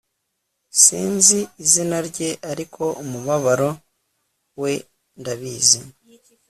sinzi izina rye, ariko umubabaro we ndabizi